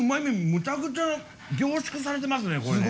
むちゃくちゃ凝縮されてますねこれ。